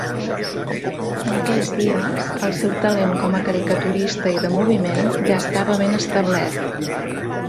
En aquells dies, el seu talent com a caricaturista i de moviment ja estava ben establert.